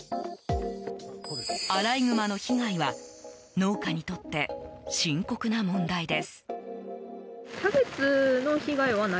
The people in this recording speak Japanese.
アライグマの被害は農家にとって深刻な問題です。